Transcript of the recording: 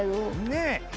ねえ。